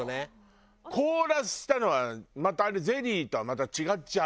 凍らせたのはまたあれゼリーとはまた違っちゃう。